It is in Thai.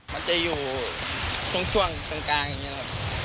มันจะอยู่ช่วงกลางอย่างนี้ครับ